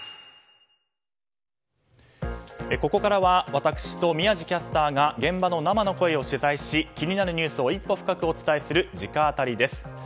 ここからは私と宮司キャスターが現場の生の声を取材し気になるニュースを一歩深くお伝えする直アタリです。